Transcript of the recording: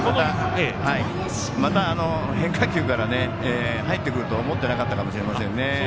また変化球から入ってくるとは思ってなかったかもしれないですね。